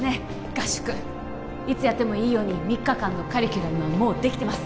合宿いつやってもいいように３日間のカリキュラムはもうできてます